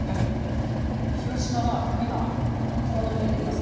広島は今、小窓に出ています